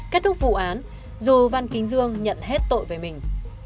kết thúc vụ án dù văn kính dương nhận hết tội về mình